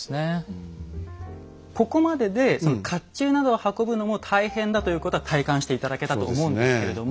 ここまででその甲冑などを運ぶのも大変だということは体感して頂けたと思うんですけれども。